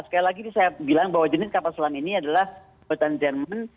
sekali lagi saya bilang bahwa jenis kapal selam ini adalah buatan jerman